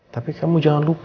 tapi kamu jangan lupa